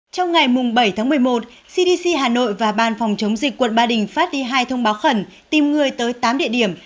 trong ngày bảy tháng một mươi một cdc hà nội và ban phòng chống dịch quận ba đình phát đi hai thông báo khẩn tìm người tới tám địa điểm